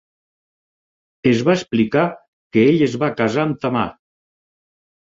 Es va explicar que ell es va casar amb Tamar.